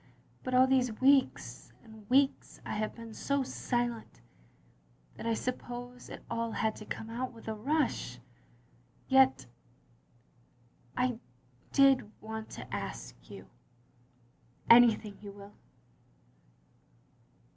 But all these weeks and weeks I have been so silent that I suppose it all had to come out with a rush. Yet I did want to ask you —'*." Anything you will?